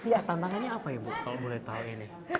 iya tantangannya apa ibu kalau boleh tahu ini